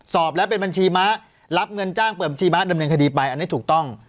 สอบแล้วเป็นบัญชีม้ารับเงินจ้างเปิดบัญชีม้าดำเนินคดีไปอันนี้ถูกต้อง